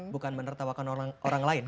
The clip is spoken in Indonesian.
bukan menertawakan orang lain